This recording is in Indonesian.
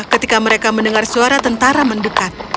ketika mereka mendengar suara tentara mendekat